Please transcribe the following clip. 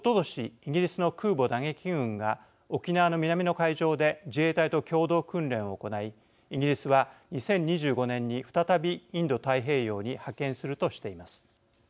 イギリスの空母打撃群が沖縄の南の海上で自衛隊と共同訓練を行いイギリスは２０２５年に再びインド太平洋に派遣するとしています。